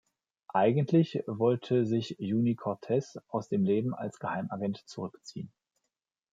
Eigentlich wollte sich Juni Cortez aus dem Leben als Geheimagent zurückziehen.